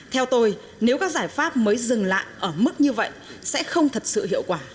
theo tôi nếu các giải pháp mới dừng lại ở mức như vậy sẽ không thật sự hiệu quả